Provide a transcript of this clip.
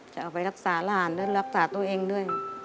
จะเอาไปรักษาหลานและรักษาตัวเองด้วย